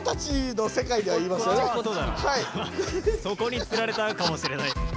そこにつられたかもしれない。